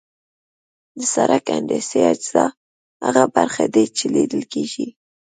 د سرک هندسي اجزا هغه برخې دي چې لیدل کیږي